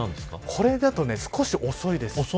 これだと少し遅いです。